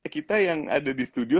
kita yang ada di studio